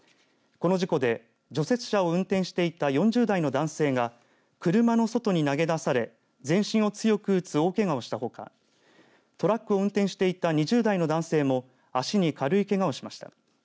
この事故で除雪車を運転していた４０代の男性が車の外に投げ出され全身を強く打つ大けがをしたほかトラックを運転していた２０代の男性も足に軽いけがをしました。